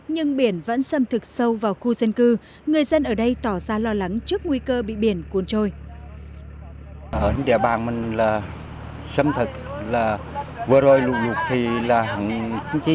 nhưng biển vẫn xâm thực sâu vào khu dân cư người dân ở đây tỏ ra lo lắng trước nguy cơ bị biển cuốn trôi